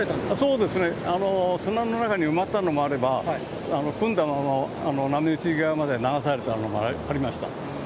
そうですね、砂の中に埋まったのもあれば、組んだまま波打ち際まで流されたのもありました。